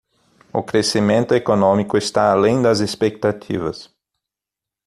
O crescimento econômico está além das expectativas